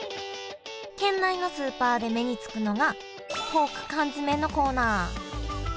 県内のスーパーで目に付くのがポーク缶詰のコーナー。